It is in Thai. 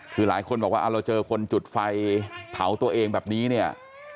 คือหลายคนบอกว่าเราเจอคนจุดไฟเผาตัวเองแบบนี้เนี่ย